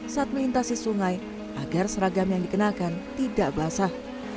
saat melintasi sungai agar seragam yang dikenakan tidak basah